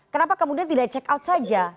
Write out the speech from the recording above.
kenapa kemudian tidak check out saja